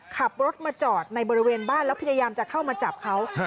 ขับรถมาจอดในบริเวณบ้านแล้วพยายามจะเข้ามาจับเขา